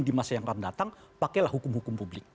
di masa yang akan datang pakailah hukum hukum publik